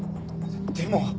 でも。